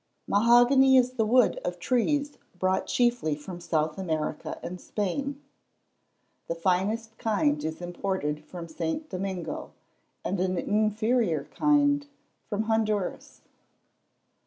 _ Mahogany is the wood of trees brought chiefly from South America and Spain. The finest kind is imported from St. Domingo, and an inferior kind from Honduras.